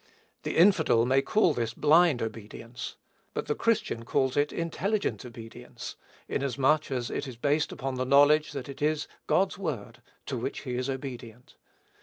The infidel may call this "blind obedience;" but the Christian calls it intelligent obedience, inasmuch as it is based upon the knowledge that it is God's word to which he is obedient.